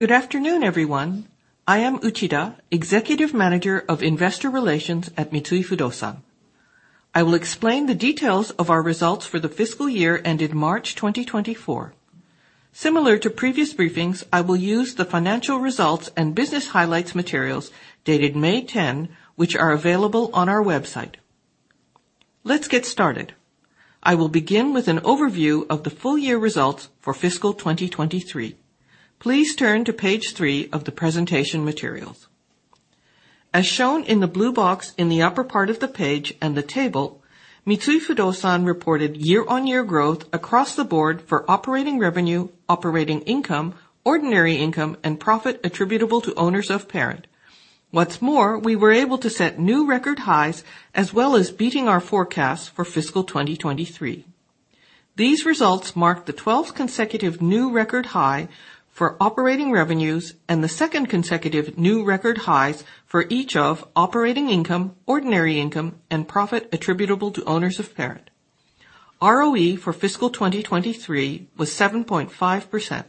Good afternoon, everyone. I am Uchida, Executive Manager of Investor Relations at Mitsui Fudosan. I will explain the details of our results for the fiscal year ended March 2024. Similar to previous briefings, I will use the financial results and business highlights materials dated May 10, which are available on our website. Let's get started. I will begin with an overview of the full year results for fiscal 2023. Please turn to page 3 of the presentation materials. As shown in the blue box in the upper part of the page and the table, Mitsui Fudosan reported year-on-year growth across the board for operating revenue, operating income, ordinary income, and profit attributable to owners of parent. What's more, we were able to set new record highs as well as beating our forecasts for fiscal 2023. These results marked the 12th consecutive new record high for operating revenues and the 2nd consecutive new record highs for each of operating income, ordinary income, and profit attributable to owners of parent. ROE for fiscal 2023 was 7.5%.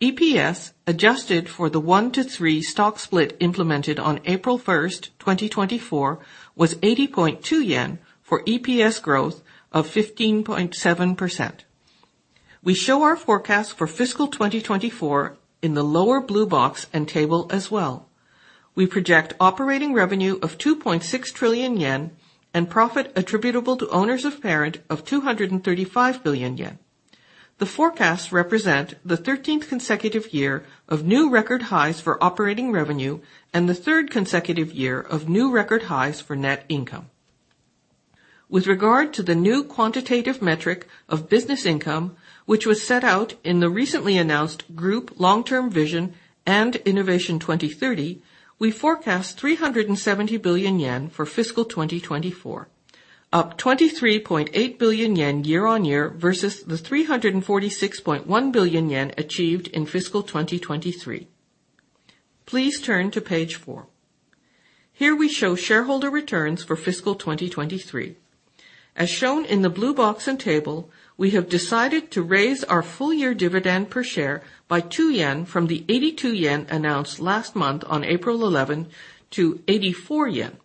EPS, adjusted for the 1-to-3 stock split implemented on April 1, 2024, was 80.2 yen for EPS growth of 15.7%. We show our forecast for fiscal 2024 in the lower blue box and table as well. We project operating revenue of 2.6 trillion yen and profit attributable to owners of parent of 235 billion yen. The forecasts represent the 13th consecutive year of new record highs for operating revenue and the 3rd consecutive year of new record highs for net income. With regard to the new quantitative metric of Business Income, which was set out in the recently announced Group Long-Term Vision & INNOVATION 2030, we forecast 370 billion yen for fiscal 2024, up 23.8 billion yen year-on-year versus the 346.1 billion yen achieved in fiscal 2023. Please turn to page 4. Here, we show shareholder returns for fiscal 2023. As shown in the blue box and table, we have decided to raise our full year dividend per share by 2 yen from the 82 yen announced last month on April 11 to 84 yen.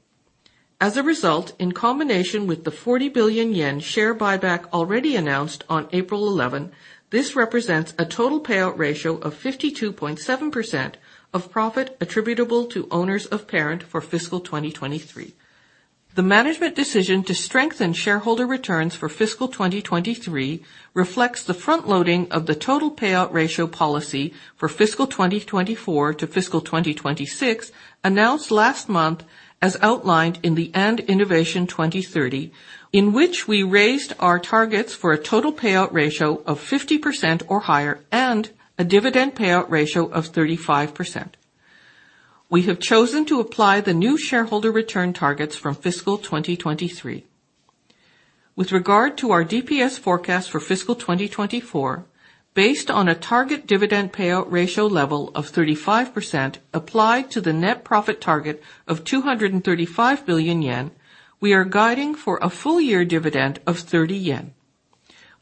As a result, in combination with the 40 billion yen share buyback already announced on April 11, this represents a total payout ratio of 52.7% of profit attributable to owners of parent for fiscal 2023. The management decision to strengthen shareholder returns for fiscal 2023 reflects the front loading of the total payout ratio policy for fiscal 2024 to fiscal 2026, announced last month as outlined in the Group Long-Term Vision & INNOVATION 2030, in which we raised our targets for a total payout ratio of 50% or higher and a dividend payout ratio of 35%. We have chosen to apply the new shareholder return targets from fiscal 2023. With regard to our DPS forecast for fiscal 2024, based on a target dividend payout ratio level of 35% applied to the net profit target of 235 billion yen, we are guiding for a full year dividend of 30 yen.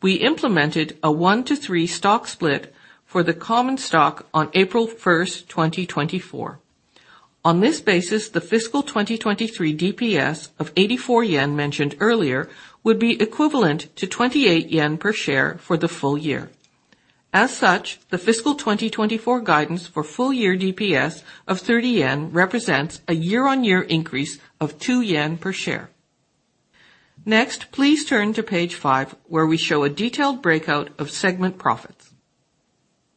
We implemented a 1-to-3 stock split for the common stock on April 1, 2024. On this basis, the fiscal 2023 DPS of 84 yen mentioned earlier would be equivalent to 28 yen per share for the full year. As such, the fiscal 2024 guidance for full-year DPS of 30 yen represents a year-on-year increase of 2 yen per share. Next, please turn to page 5, where we show a detailed breakout of segment profits.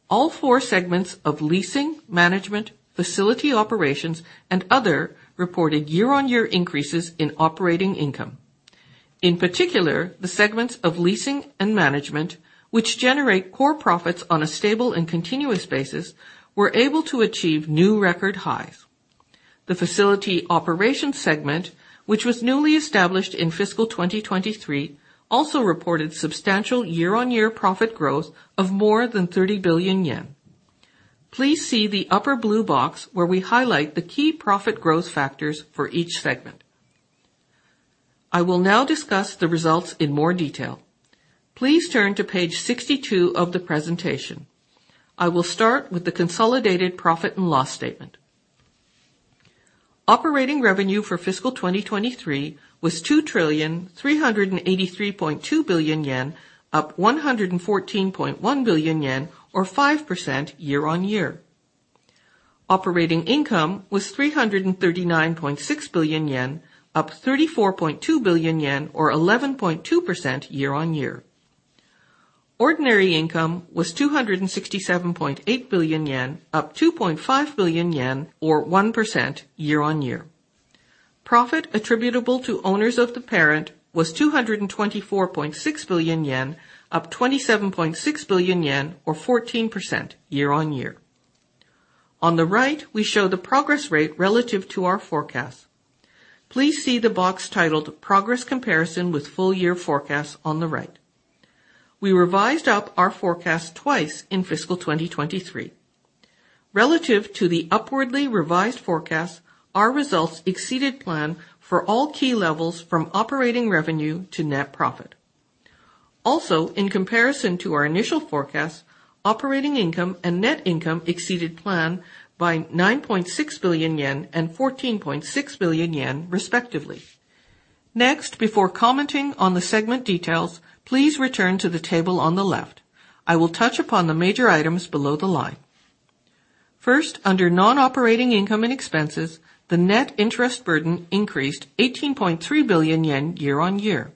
All four segments of leasing, management, facility operations, and other reported year-on-year increases in operating income. In particular, the segments of leasing and management, which generate core profits on a stable and continuous basis, were able to achieve new record highs. The facility operations segment, which was newly established in fiscal 2023, also reported substantial year-on-year profit growth of more than 30 billion yen. Please see the upper blue box, where we highlight the key profit growth factors for each segment. I will now discuss the results in more detail. Please turn to page 62 of the presentation. I will start with the consolidated profit and loss statement. Operating revenue for fiscal 2023 was 2,383.2 billion yen, up 114.1 billion yen, or 5% year-on-year. Operating income was 339.6 billion yen, up 34.2 billion yen, or 11.2% year-on-year. Ordinary income was 267.8 billion yen, up 2.5 billion yen, or 1% year-on-year. Profit attributable to owners of the parent was 224.6 billion yen, up 27.6 billion yen, or 14% year-on-year. On the right, we show the progress rate relative to our forecast. Please see the box titled Progress Comparison with Full Year Forecast on the right. We revised up our forecast twice in fiscal 2023. Relative to the upwardly revised forecast, our results exceeded plan for all key levels from operating revenue to net profit. Also, in comparison to our initial forecast, operating income and net income exceeded plan by 9.6 billion yen and 14.6 billion yen, respectively. Next, before commenting on the segment details, please return to the table on the left. I will touch upon the major items below the line. First, under non-operating income and expenses, the net interest burden increased 18.3 billion yen year-on-year.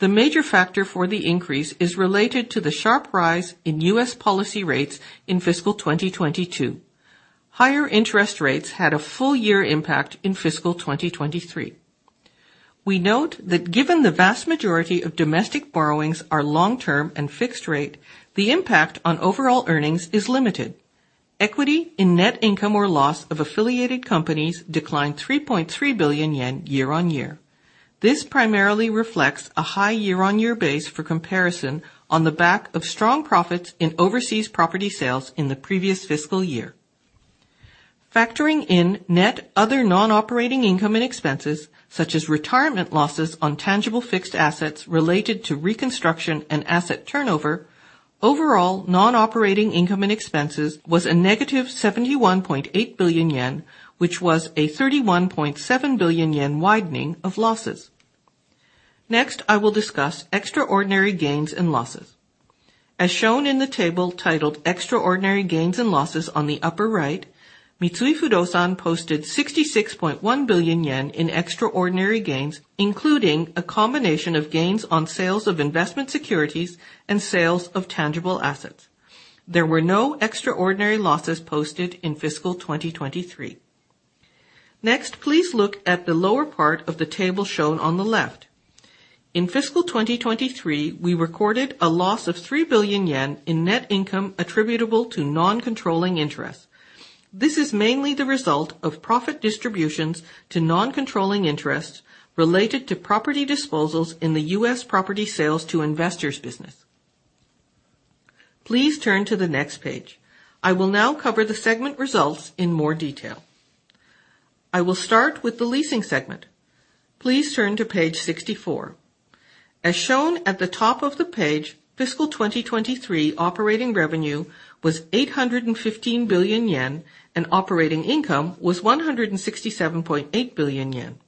The major factor for the increase is related to the sharp rise in U.S. policy rates in fiscal 2022. Higher interest rates had a full year impact in fiscal 2023. We note that given the vast majority of domestic borrowings are long-term and fixed rate, the impact on overall earnings is limited. Equity in net income or loss of affiliated companies declined 3.3 billion yen year-on-year. This primarily reflects a high year-on-year base for comparison on the back of strong profits in overseas property sales in the previous fiscal year. Factoring in net other non-operating income and expenses, such as retirement losses on tangible fixed assets related to reconstruction and asset turnover, overall, non-operating income and expenses was a negative 71.8 billion yen, which was a 31.7 billion yen widening of losses. Next, I will discuss extraordinary gains and losses. As shown in the table titled Extraordinary Gains and Losses on the upper right, Mitsui Fudosan posted 66.1 billion yen in extraordinary gains, including a combination of gains on sales of investment securities and sales of tangible assets. There were no extraordinary losses posted in fiscal 2023. Next, please look at the lower part of the table shown on the left. In fiscal 2023, we recorded a loss of 3 billion yen in net income attributable to non-controlling interests. This is mainly the result of profit distributions to non-controlling interests related to property disposals in the U.S. property sales to investors business. Please turn to the next page. I will now cover the segment results in more detail. I will start with the leasing segment. Please turn to page 64. As shown at the top of the page, fiscal 2023 operating revenue was 815 billion yen, and operating income was 167.8 billion yen.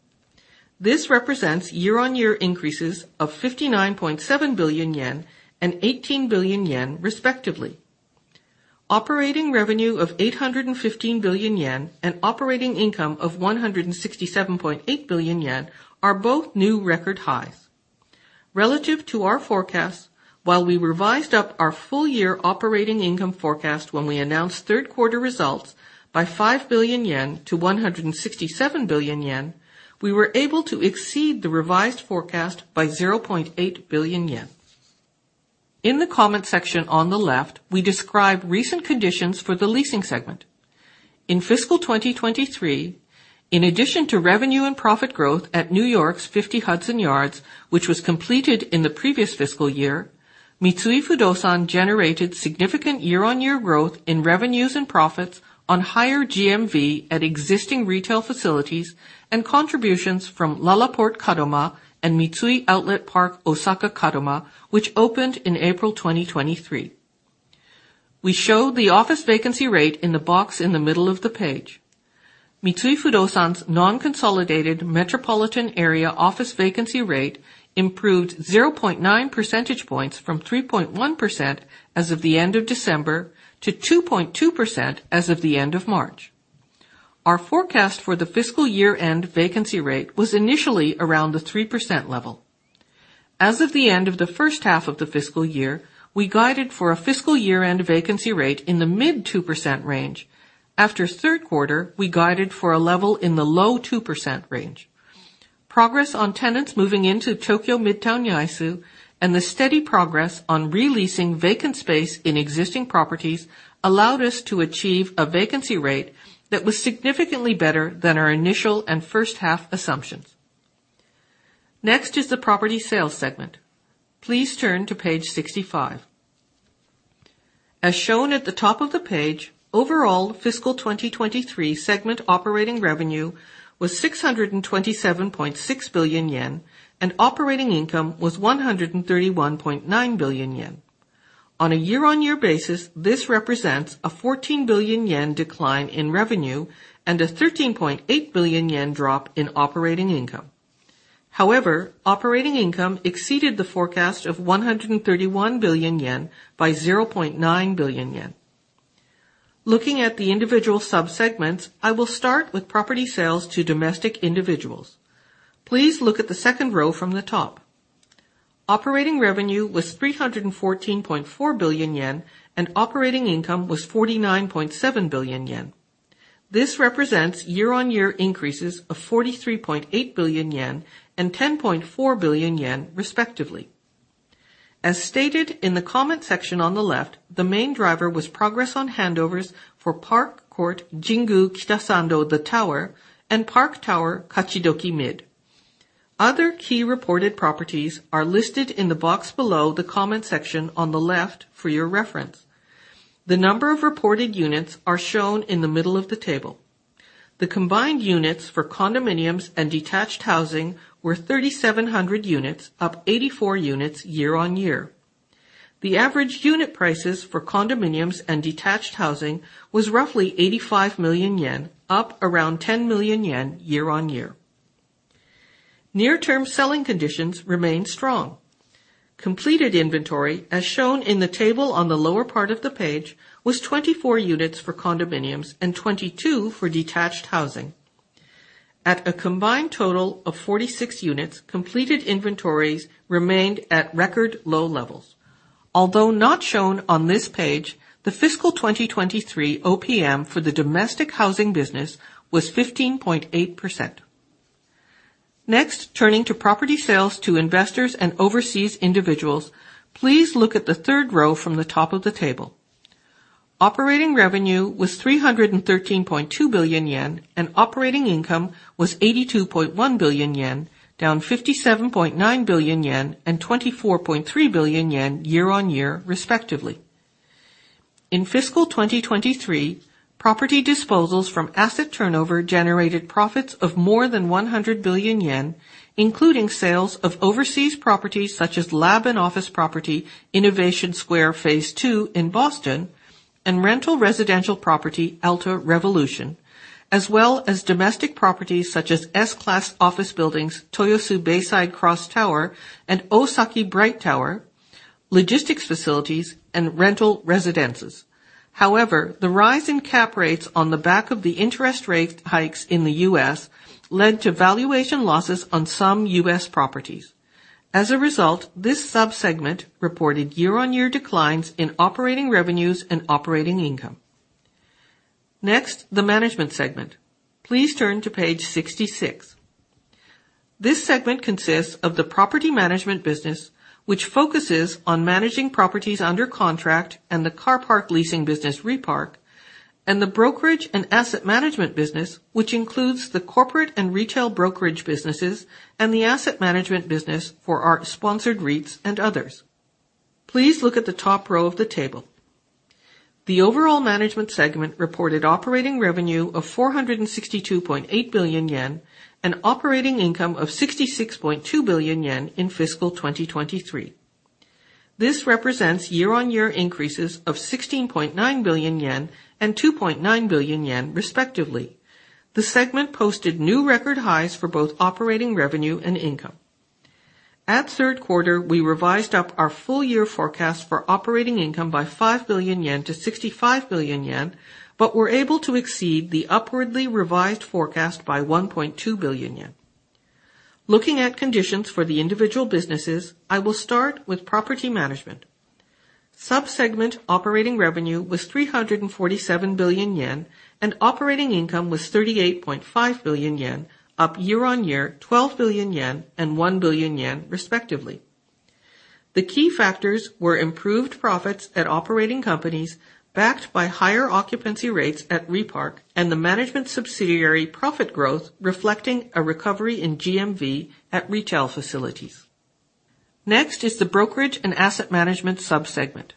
This represents year-on-year increases of 59.7 billion yen and 18 billion yen, respectively. Operating revenue of 815 billion yen and operating income of 167.8 billion yen are both new record highs. Relative to our forecast, while we revised up our full year operating income forecast when we announced third quarter results by 5 billion yen to 167 billion yen, we were able to exceed the revised forecast by 0.8 billion yen. In the comment section on the left, we describe recent conditions for the leasing segment. In fiscal 2023, in addition to revenue and profit growth at New York's 50 Hudson Yards, which was completed in the previous fiscal year, Mitsui Fudosan generated significant year-on-year growth in revenues and profits on higher GMV at existing retail facilities and contributions from LaLaport Kadoma and Mitsui Outlet Park Osaka Kadoma, which opened in April 2023. We show the office vacancy rate in the box in the middle of the page. Mitsui Fudosan's non-consolidated metropolitan area office vacancy rate improved 0.9 percentage points from 3.1% as of the end of December to 2.2% as of the end of March. Our forecast for the fiscal year-end vacancy rate was initially around the 3% level. As of the end of the first half of the fiscal year, we guided for a fiscal year-end vacancy rate in the mid-2% range. After third quarter, we guided for a level in the low-2% range. Progress on tenants moving into Tokyo Midtown Yaesu, and the steady progress on re-leasing vacant space in existing properties allowed us to achieve a vacancy rate that was significantly better than our initial and first half assumptions. Next is the property sales segment. Please turn to page 65. As shown at the top of the page, overall fiscal 2023 segment operating revenue was 627.6 billion yen, and operating income was 131.9 billion yen. On a year-on-year basis, this represents a 14 billion yen decline in revenue and a 13.8 billion yen drop in operating income. However, operating income exceeded the forecast of 131 billion yen by 0.9 billion yen. Looking at the individual sub-segments, I will start with property sales to domestic individuals. Please look at the second row from the top. Operating revenue was 314.4 billion yen, and operating income was 49.7 billion yen. This represents year-on-year increases of 43.8 billion yen and 10.4 billion yen, respectively. As stated in the comment section on the left, the main driver was progress on handovers for Park Court Jingu Kitasando The Tower and Park Tower Kachidoki Mid. Other key reported properties are listed in the box below the comment section on the left for your reference. The number of reported units are shown in the middle of the table. The combined units for condominiums and detached housing were 3,700 units, up 84 units year-on-year. The average unit prices for condominiums and detached housing was roughly 85 million yen, up around 10 million yen year-on-year. Near-term selling conditions remain strong. Completed inventory, as shown in the table on the lower part of the page, was 24 units for condominiums and 22 for detached housing. At a combined total of 46 units, completed inventories remained at record low levels. Although not shown on this page, the fiscal 2023 OPM for the domestic housing business was 15.8%. Next, turning to property sales to investors and overseas individuals, please look at the third row from the top of the table. Operating revenue was 313.2 billion yen, and operating income was 82.1 billion yen, down 57.9 billion yen and 24.3 billion yen year-on-year, respectively. In fiscal 2023, property disposals from asset turnover generated profits of more than 100 billion yen, including sales of overseas properties such as lab and office property, Innovation Square Phase II in Boston, and rental residential property, Alta Revolution, as well as domestic properties such as S-class office buildings, Toyosu Bayside Cross Tower, and Osaki Bright Tower, logistics facilities, and rental residences. However, the rise in cap rates on the back of the interest rate hikes in the U.S. led to valuation losses on some US properties. As a result, this subsegment reported year-on-year declines in operating revenues and operating income. Next, the management segment. Please turn to page 66. This segment consists of the property management business, which focuses on managing properties under contract and the car park leasing business, Repark, and the brokerage and asset management business, which includes the corporate and retail brokerage businesses and the asset management business for our sponsored REITs and others. Please look at the top row of the table. The overall management segment reported operating revenue of 462.8 billion yen and operating income of 66.2 billion yen in fiscal 2023. This represents year-on-year increases of 16.9 billion yen and 2.9 billion yen, respectively. The segment posted new record highs for both operating revenue and income. At third quarter, we revised up our full year forecast for operating income by 5 billion yen to 65 billion yen, but were able to exceed the upwardly revised forecast by 1.2 billion yen. Looking at conditions for the individual businesses, I will start with property management. Subsegment operating revenue was 347 billion yen, and operating income was 38.5 billion yen, up year-over-year, 12 billion yen and 1 billion yen, respectively. The key factors were improved profits at operating companies, backed by higher occupancy rates at Repark and the management subsidiary profit growth, reflecting a recovery in GMV at retail facilities. Next is the brokerage and asset management subsegment.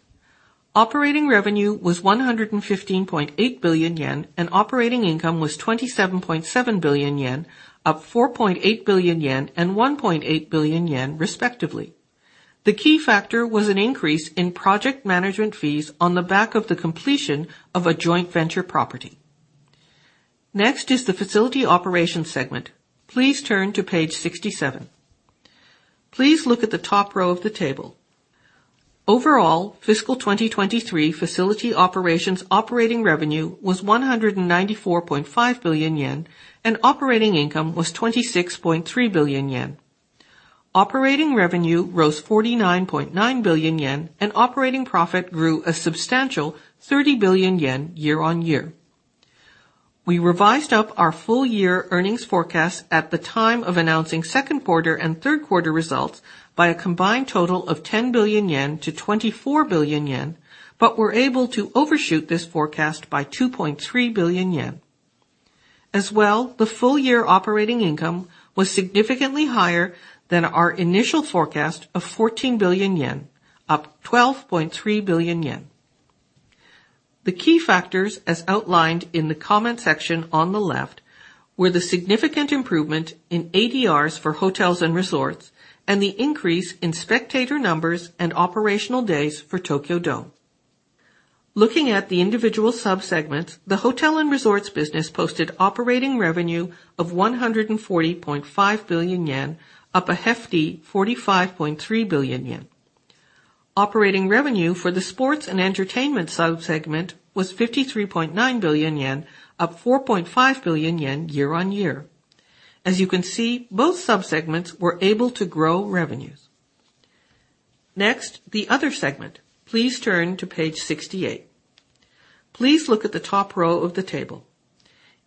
Operating revenue was 115.8 billion yen, and operating income was 27.7 billion yen, up 4.8 billion yen and 1.8 billion yen, respectively. The key factor was an increase in project management fees on the back of the completion of a joint venture property. Next is the facility operations segment. Please turn to page 67. Please look at the top row of the table. Overall, fiscal 2023 facility operations operating revenue was 194.5 billion yen, and operating income was 26.3 billion yen. Operating revenue rose 49.9 billion yen, and operating profit grew a substantial 30 billion yen year on year. We revised up our full year earnings forecast at the time of announcing second quarter and third quarter results by a combined total of 10 billion-24 billion yen, but were able to overshoot this forecast by 2.3 billion yen. As well, the full year operating income was significantly higher than our initial forecast of 14 billion yen, up 12.3 billion yen. The key factors, as outlined in the comment section on the left, were the significant improvement in ADRs for hotels and resorts and the increase in spectator numbers and operational days for Tokyo Dome. Looking at the individual subsegments, the hotel and resorts business posted operating revenue of 140.5 billion yen, up a hefty 45.3 billion yen. Operating revenue for the sports and entertainment subsegment was 53.9 billion yen, up 4.5 billion yen year-on-year. As you can see, both subsegments were able to grow revenues. Next, the other segment. Please turn to page 68. Please look at the top row of the table.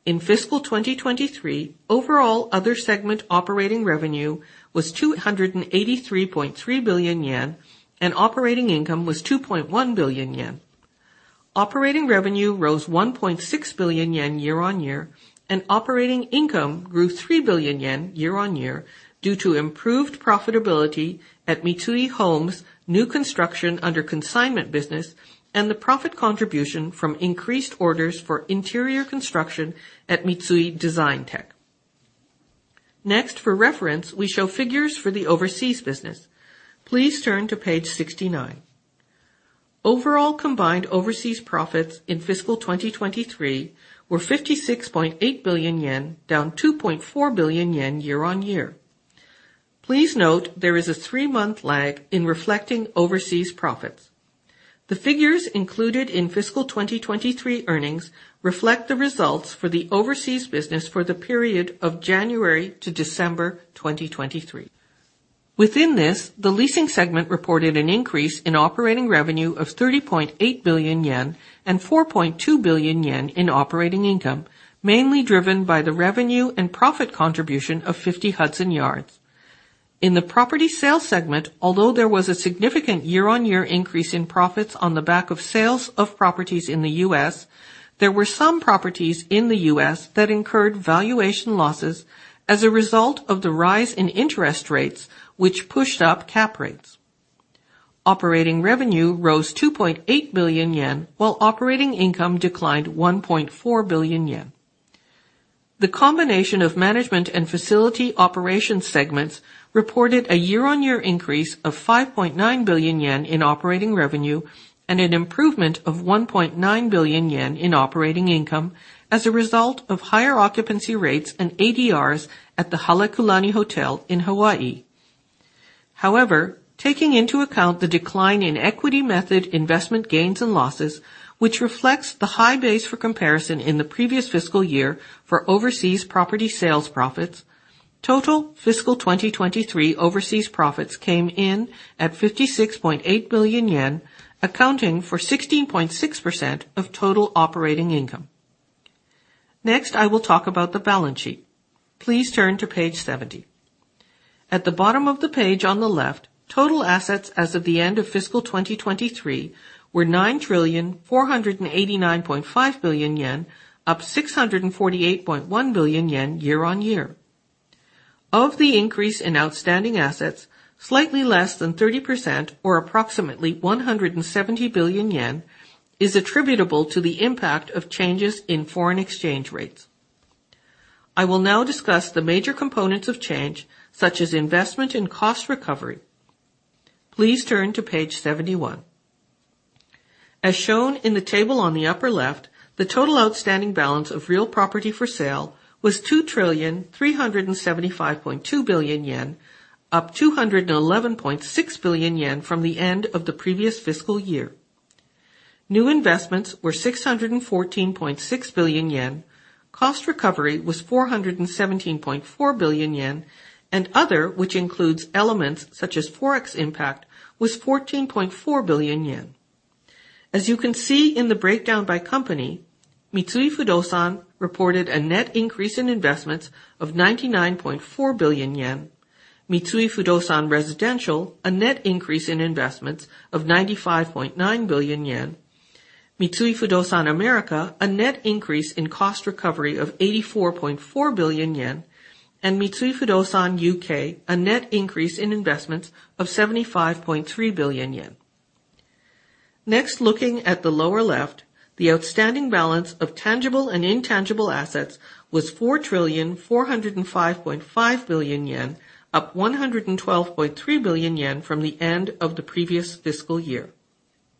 In fiscal 2023, overall other segment operating revenue was 283.3 billion yen, and operating income was 2.1 billion yen. Operating revenue rose 1.6 billion yen year-on-year, and operating income grew 3 billion yen year-on-year due to improved profitability at Mitsui Home, new construction under consignment business, and the profit contribution from increased orders for interior construction at Mitsui Designtec. Next, for reference, we show figures for the overseas business. Please turn to page 69. Overall, combined overseas profits in fiscal 2023 were 56.8 billion yen, down 2.4 billion yen year-on-year. Please note there is a three-month lag in reflecting overseas profits. The figures included in fiscal 2023 earnings reflect the results for the overseas business for the period of January to December 2023. Within this, the leasing segment reported an increase in operating revenue of 30.8 billion yen and 4.2 billion yen in operating income, mainly driven by the revenue and profit contribution of 50 Hudson Yards. In the property sales segment, although there was a significant year-on-year increase in profits on the back of sales of properties in the U.S., there were some properties in the U.S. that incurred valuation losses as a result of the rise in interest rates, which pushed up cap rates. Operating revenue rose 2.8 billion yen, while operating income declined 1.4 billion yen. The combination of management and facility operations segments reported a year-on-year increase of 5.9 billion yen in operating revenue and an improvement of 1.9 billion yen in operating income as a result of higher occupancy rates and ADRs at the Halekulani Hotel in Hawaii. However, taking into account the decline in equity method investment gains and losses, which reflects the high base for comparison in the previous fiscal year for overseas property sales profits, total fiscal 2023 overseas profits came in at 56.8 billion yen, accounting for 16.6% of total operating income. Next, I will talk about the balance sheet. Please turn to page 70. At the bottom of the page on the left, total assets as of the end of fiscal 2023 were 9,489.5 billion yen, up 648.1 billion yen year-on-year. Of the increase in outstanding assets, slightly less than 30% or approximately 170 billion yen, is attributable to the impact of changes in foreign exchange rates. I will now discuss the major components of change, such as investment and cost recovery. Please turn to page 71. As shown in the table on the upper left, the total outstanding balance of real property for sale was 2,375.2 billion yen, up 211.6 billion yen from the end of the previous fiscal year. New investments were 614.6 billion yen. Cost recovery was 417.4 billion yen, and other, which includes elements such as Forex impact, was 14.4 billion yen. As you can see in the breakdown by company, Mitsui Fudosan reported a net increase in investments of 99.4 billion yen. Mitsui Fudosan Residential, a net increase in investments of 95.9 billion yen. Mitsui Fudosan America, a net increase in cost recovery of 84.4 billion yen, and Mitsui Fudosan UK, a net increase in investments of 75.3 billion yen. Next, looking at the lower left, the outstanding balance of tangible and intangible assets was 4,405.5 billion yen, up 112.3 billion yen from the end of the previous fiscal year.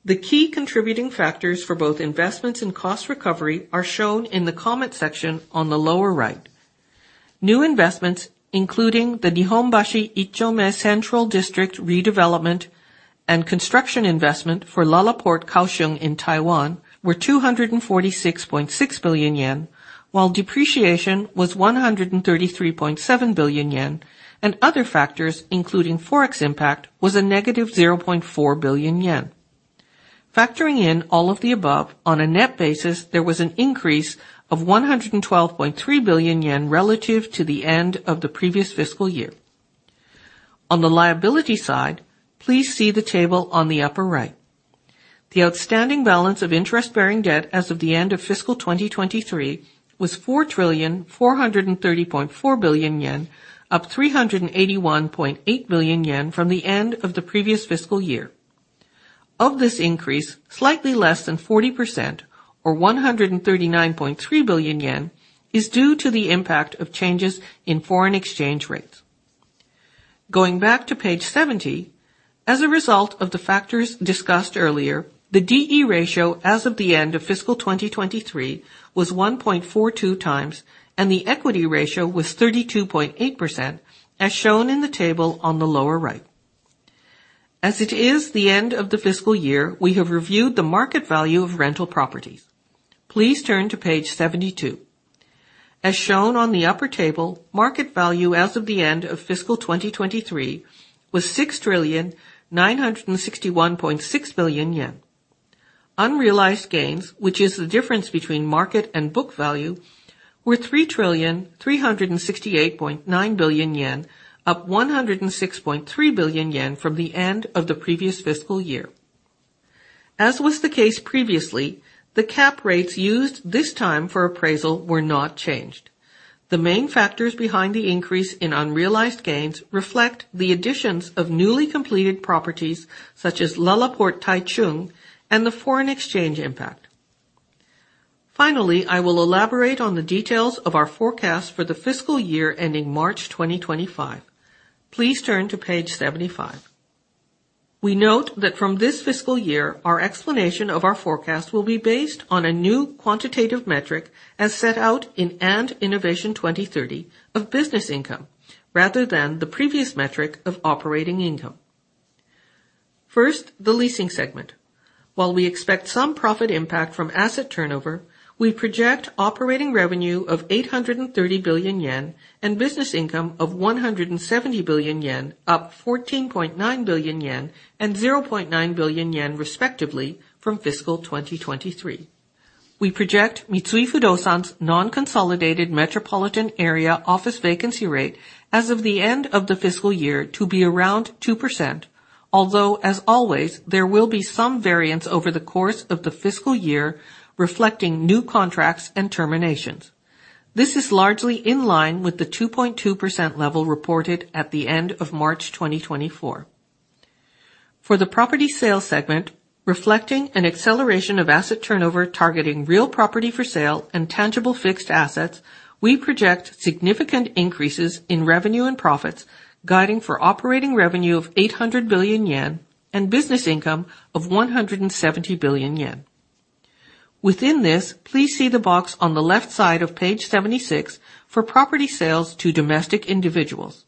The key contributing factors for both investments and cost recovery are shown in the comment section on the lower right. New investments, including the Nihonbashi 1-Chome Central District Redevelopment and construction investment for LaLaport Kaohsiung in Taiwan, were 246.6 billion yen, while depreciation was 133.7 billion yen, and other factors, including Forex impact, was a negative 0.4 billion yen. Factoring in all of the above, on a net basis, there was an increase of 112.3 billion yen relative to the end of the previous fiscal year. On the liability side, please see the table on the upper right. The outstanding balance of interest-bearing debt as of the end of fiscal 2023 was 4,430.4 billion yen, up 381.8 billion yen from the end of the previous fiscal year. Of this increase, slightly less than 40% or 139.3 billion yen, is due to the impact of changes in foreign exchange rates. Going back to page 70, as a result of the factors discussed earlier, the DE ratio as of the end of fiscal 2023 was 1.42 times, and the equity ratio was 32.8%, as shown in the table on the lower right. As it is the end of the fiscal year, we have reviewed the market value of rental properties. Please turn to page 72. As shown on the upper table, market value as of the end of fiscal 2023 was 6,961.6 billion yen. Unrealized gains, which is the difference between market and book value, were 3,368.9 billion yen, up 106.3 billion yen from the end of the previous fiscal year. As was the case previously, the cap rates used this time for appraisal were not changed. The main factors behind the increase in unrealized gains reflect the additions of newly completed properties, such as LaLaport Taichung and the foreign exchange impact.... Finally, I will elaborate on the details of our forecast for the fiscal year ending March 2025. Please turn to page 75. We note that from this fiscal year, our explanation of our forecast will be based on a new quantitative metric, as set out in and INNOVATION 2030 of business income, rather than the previous metric of operating income. First, the leasing segment. While we expect some profit impact from asset turnover, we project operating revenue of 830 billion yen, and business income of 170 billion yen, up 14.9 billion yen and 0.9 billion yen, respectively, from fiscal 2023. We project Mitsui Fudosan's non-consolidated metropolitan area office vacancy rate as of the end of the fiscal year, to be around 2%. Although, as always, there will be some variance over the course of the fiscal year, reflecting new contracts and terminations. This is largely in line with the 2.2% level reported at the end of March 2024. For the property sales segment, reflecting an acceleration of asset turnover, targeting real property for sale and tangible fixed assets, we project significant increases in revenue and profits, guiding for operating revenue of 800 billion yen and business income of 170 billion yen. Within this, please see the box on the left side of page 76 for property sales to domestic individuals.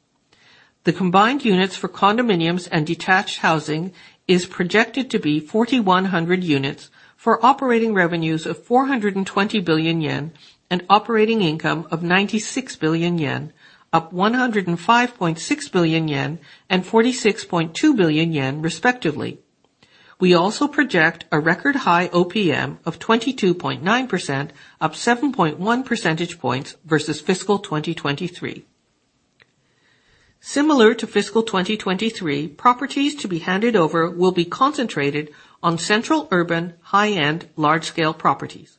The combined units for condominiums and detached housing is projected to be 4,100 units for operating revenues of 420 billion yen and operating income of 96 billion yen, up 105.6 billion yen and 46.2 billion yen, respectively. We also project a record-high OPM of 22.9%, up 7.1 percentage points versus fiscal 2023. Similar to fiscal 2023, properties to be handed over will be concentrated on central, urban, high-end, large-scale properties.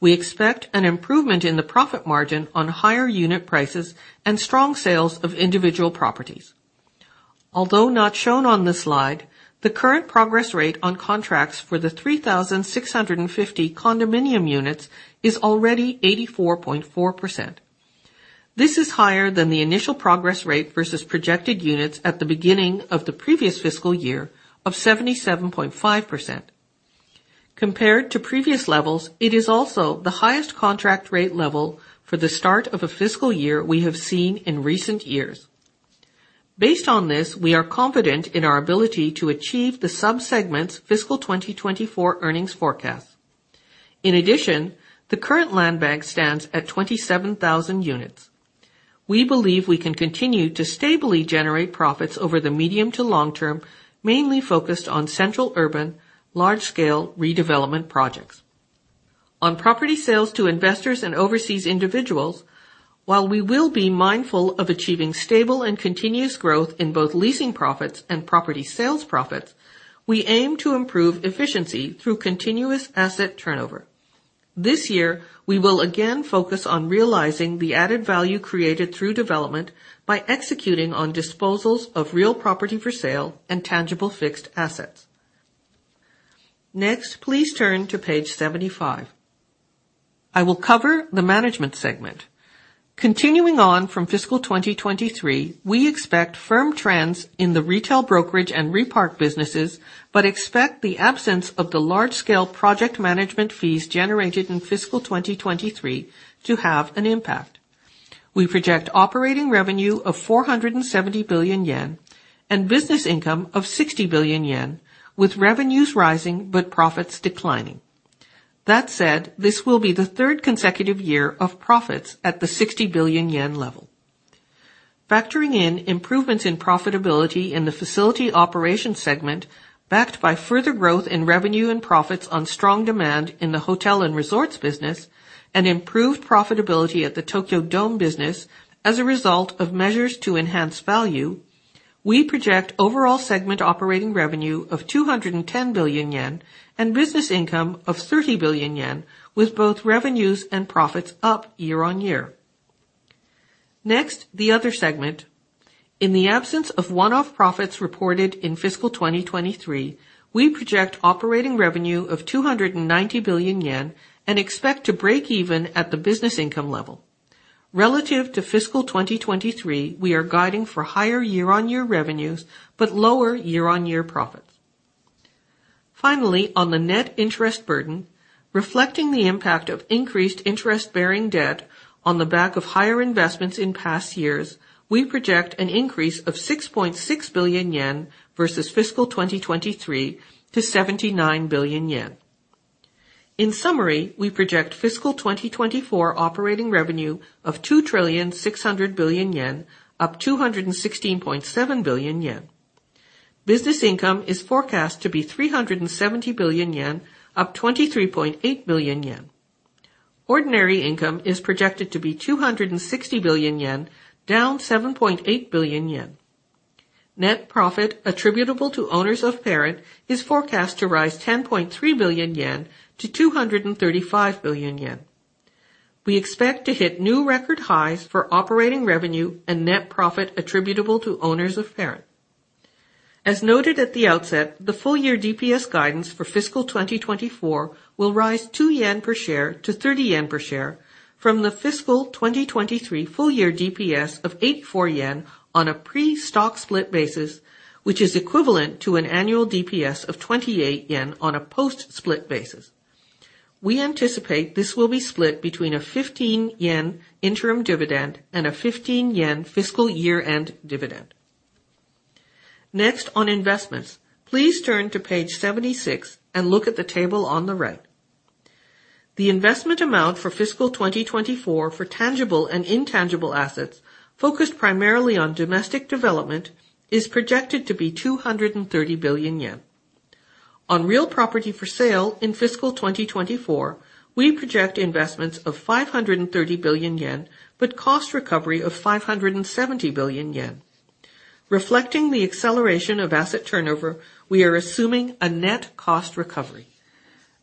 We expect an improvement in the profit margin on higher unit prices and strong sales of individual properties. Although not shown on this slide, the current progress rate on contracts for the 3,650 condominium units is already 84.4%. This is higher than the initial progress rate versus projected units at the beginning of the previous fiscal year of 77.5%. Compared to previous levels, it is also the highest contract rate level for the start of a fiscal year we have seen in recent years. Based on this, we are confident in our ability to achieve the sub-segments fiscal 2024 earnings forecast. In addition, the current land bank stands at 27,000 units. We believe we can continue to stably generate profits over the medium to long term, mainly focused on central urban, large-scale redevelopment projects. On property sales to investors and overseas individuals, while we will be mindful of achieving stable and continuous growth in both leasing profits and property sales profits, we aim to improve efficiency through continuous asset turnover. This year, we will again focus on realizing the added value created through development by executing on disposals of real property for sale and tangible fixed assets. Next, please turn to page 75. I will cover the management segment. Continuing on from fiscal 2023, we expect firm trends in the retail brokerage and Repark businesses, but expect the absence of the large-scale project management fees generated in fiscal 2023 to have an impact. We project operating revenue of 470 billion yen and business income of 60 billion yen, with revenues rising but profits declining. That said, this will be the third consecutive year of profits at the 60 billion yen level. Factoring in improvements in profitability in the facility operations segment, backed by further growth in revenue and profits on strong demand in the hotel and resorts business, and improved profitability at the Tokyo Dome business as a result of measures to enhance value, we project overall segment operating revenue of 210 billion yen and business income of 30 billion yen, with both revenues and profits up year-on-year. Next, the other segment. In the absence of one-off profits reported in fiscal 2023, we project operating revenue of 290 billion yen and expect to break even at the business income level. Relative to fiscal 2023, we are guiding for higher year-on-year revenues, but lower year-on-year profits. Finally, on the net interest burden, reflecting the impact of increased interest-bearing debt on the back of higher investments in past years, we project an increase of 6.6 billion yen versus fiscal 2023 to 79 billion yen. In summary, we project fiscal 2024 operating revenue of 2.6 trillion, up 216.7 billion yen. Business income is forecast to be 370 billion yen, up 23.8 billion yen. Ordinary income is projected to be 260 billion yen, down 7.8 billion yen. Net profit attributable to owners of parent is forecast to rise 10.3 billion yen to 235 billion yen. We expect to hit new record highs for operating revenue and net profit attributable to owners of parent. As noted at the outset, the full year DPS guidance for fiscal 2024 will rise 2 yen per share to 30 yen per share from the fiscal 2023 full year DPS of 84 yen on a pre-stock split basis, which is equivalent to an annual DPS of 28 yen on a post-split basis. We anticipate this will be split between a 15 yen interim dividend and a 15 yen fiscal year-end dividend. Next, on investments, please turn to page 76 and look at the table on the right. The investment amount for fiscal 2024 for tangible and intangible assets, focused primarily on domestic development, is projected to be 230 billion yen. On real property for sale in fiscal 2024, we project investments of 530 billion yen, but cost recovery of 570 billion yen. Reflecting the acceleration of asset turnover, we are assuming a net cost recovery.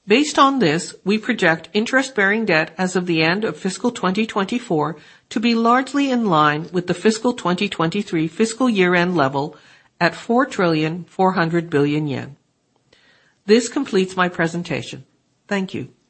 Based on this, we project interest-bearing debt as of the end of fiscal 2024 to be largely in line with the fiscal 2023 fiscal year-end level at 4.4 trillion. This completes my presentation. Thank you.